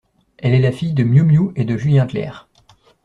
Elle est la fille de Miou-Miou et de Julien Clerc.